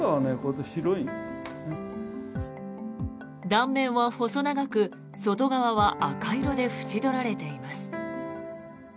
断面は細長く外側は赤色で縁取られています。